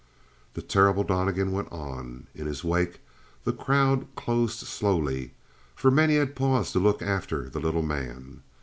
The terrible Donnegan went on. In his wake the crowd closed slowly, for many had paused to look after the little man.